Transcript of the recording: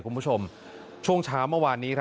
คุณผู้ชมช่วงเช้าเมื่อวานนี้